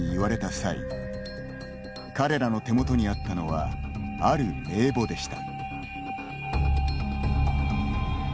際彼らの手元にあったのはある名簿でした。